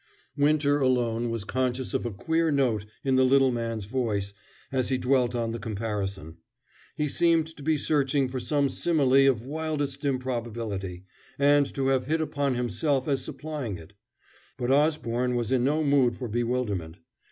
Winter alone was conscious of a queer note in the little man's voice as he dwelt on the comparison. He seemed to be searching for some simile of wildest improbability, and to have hit upon himself as supplying it. But Osborne was in no mood for bewilderment.